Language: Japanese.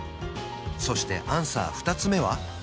そしてアンサー２つ目は？